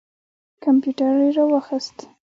کمپیوټر یې را واخیست.